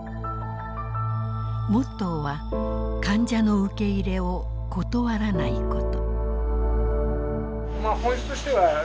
モットーは患者の受け入れを断らないこと。